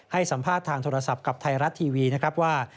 ให้สัมภาษณ์ทางโทรศัพท์กับไทยรัฐทีวีนะครับว่า